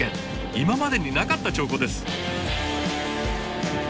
今までになかった兆候です。